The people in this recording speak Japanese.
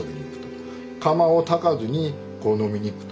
窯をたかずにこう飲みに行くと。